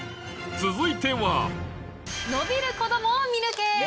続いては伸びる子どもを見抜け！